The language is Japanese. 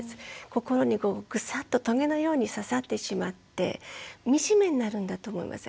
心にグサッととげのように刺さってしまって惨めになるんだと思います。